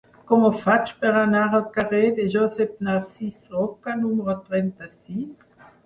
Com ho faig per anar al carrer de Josep Narcís Roca número trenta-sis?